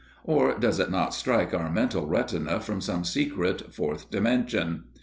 Or, does it not strike our mental retina from some secret Fourth Direction?